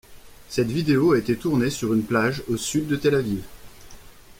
Cette vidéo a été tournée sur une plage au sud de Tel-Aviv.